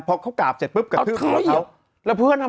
เพราะเขากลาบเช็ดปลึ๊บกระทืบเค้า